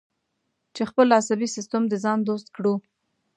چې خپل عصبي سیستم د ځان دوست کړو.